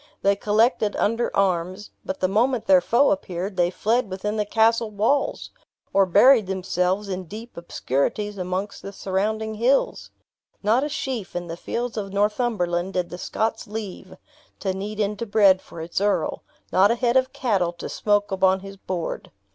They collected under arms; but the moment their foe appeared, they fled within the castle walls, or buried themselves in deep obscurities amongst the surrounding hills. Not a sheaf in the fields of Northumberland did the Scots leave, to knead into bread for its earl; not a head of cattle to smoke upon his board.